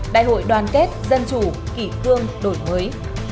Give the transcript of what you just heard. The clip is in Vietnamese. đại hội đoàn kết dân chủ kỷ cương đổi mới